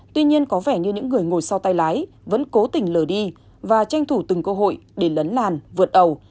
tuy nhiên có vẻ như những người ngồi sau tay lái vẫn cố tình lờ đi và tranh thủ từng cơ hội để lấn làn vượt ẩu